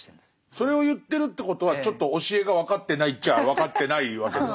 それを言ってるってことはちょっと教えが分かってないっちゃあ分かってないわけですもんね。